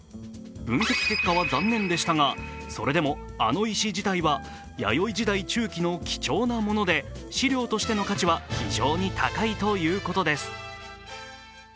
分析結果は残念でしたがそれでもあの石自体は、弥生時代中期の貴重なもので史料としての価値は非常に高いということです。